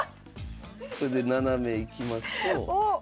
これでナナメ行きますと。